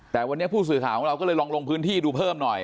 แต่วันนี้ผู้สื่อข่าวของเราก็เลยลองลงพื้นที่ดูเพิ่มหน่อย